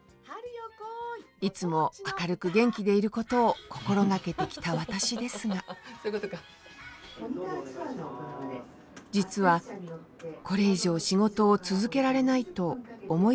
いつも明るく元気でいることを心がけてきた私ですが実はこれ以上仕事を続けられないと思い詰めた時期があります